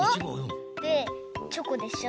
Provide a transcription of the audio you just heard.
でチョコでしょ。